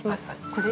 これ？